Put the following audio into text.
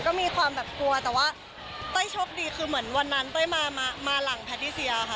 ก็มีความแบบกลัวแต่ว่าเต้ยโชคดีคือเหมือนวันนั้นเต้ยมาหลังแพทติเซียค่ะ